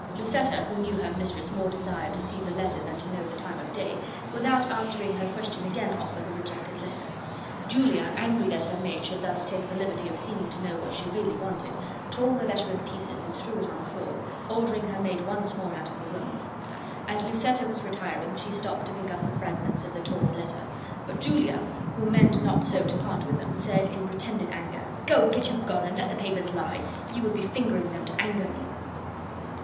Lucetta, who knew her mistress more desired to see the letter than to know the time of day, without answering her question again offered the rejected letter. Julia, angry that her maid should thus take the liberty of seeming to know what she really wanted, tore the letter in pieces and threw it on the floor,, ordering her maid once more out of the room. As Lucetta was retiring, she stopped to pick up the fragments of the torn letter; but Julia, who meant not so to part with them, said, in pretended anger, "Go, get you gone, and let the papers lie; you would be fingering them to anger me."